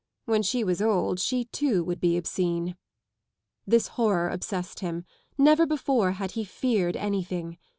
When she was old she too would be obscene. This horror ohssessed him. Never before had he feared anything.